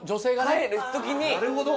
帰る時に。